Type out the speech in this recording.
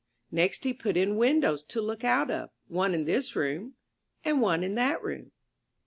Next he put in windows to look out of — one in this room — and one in that room.